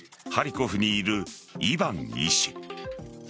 ハリコフにいるイバン医師。